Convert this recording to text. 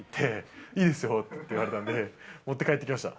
いいですよって言われたんで、持って帰ってきました。